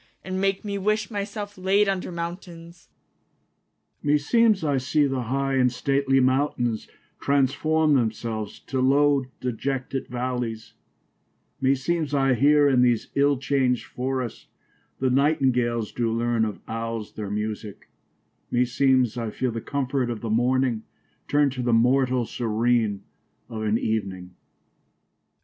And make me wish my selfe layd under mountaines . Strephon. Me seemes I see the high and stately mountaines , Trans for me themselves to lowe de jetted v allies : Me seemes I heare in these ill changed forrests , The Nightingales doo learne of Owles their musique : Me seemes I feele the comfort of the morning Turnde to the mortall serene of an evening.